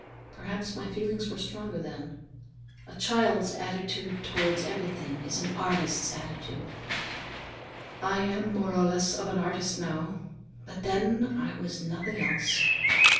Perhaps my feelings were stronger then. A child's attitude toward everything is an artist's attitude. I am more or less of an artist now, but then I was nothing else.